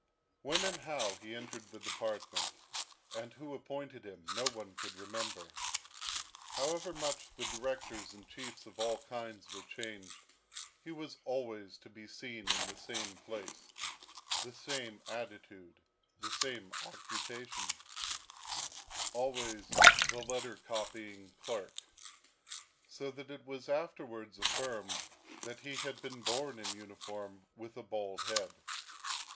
When and how he entered the department, and who appointed him, no one could remember. However much the directors and chiefs of all kinds were changed, he was always to be seen in the same place, the same attitude, the same occupation always the letter copying clerk so that it was afterwards affirmed that he had been born in uniform with a bald head.